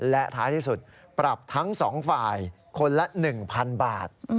และท้ายที่สุดปรับทั้ง๒ฝ่ายคนละ๑๐๐๐บาท